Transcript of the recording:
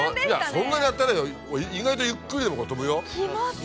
そんなにやってない意外とゆっくりでも飛ぶよ。